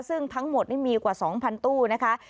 ซึ่งทั้งหมดนี่มีกว่า๒๐๐ตู้นะคะ